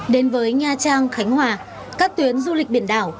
đến với nha trang khánh hòa các tuyến du lịch biển đảo